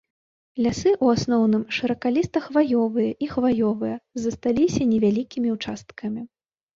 Лясы ў асноўным шыракаліста-хваёвыя і хваёвыя, засталіся невялікімі ўчасткамі.